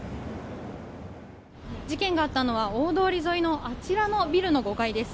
事件があったのは大通り沿いのあちらのビルの５階です。